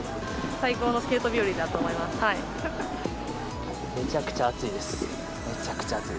最高のスケート日和だと思い